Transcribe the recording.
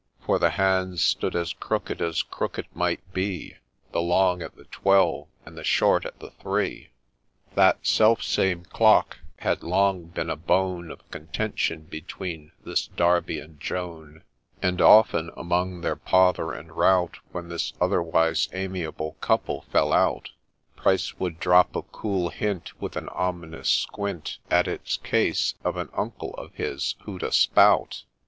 ' For the hands stood as crooked as crooked might be, The long at the Twelve, and the short at the Three I That self same clock had long been a bone Of contention between this Darby and Joan, And often, among their pother and rout, When this otherwise amiable couple fell out, Pryce would drop a cool hint. With an ominous squint At its case, of an ' Uncle ' of his, who'd a ' Spout.'